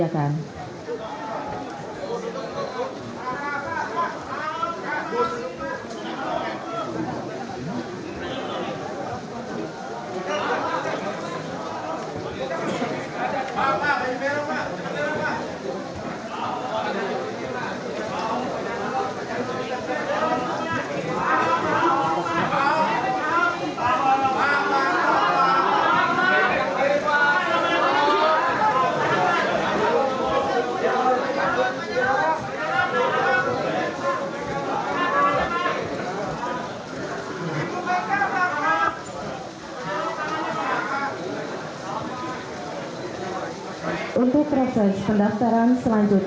bersama pak sumarno kami berselakan